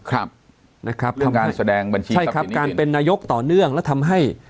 เรื่องการแสดงบัญชีทรัพย์สินใช่ครับการเป็นนายกต่อเนื่องและทำให้